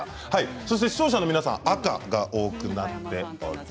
そして視聴者の皆さん赤が多くなっております。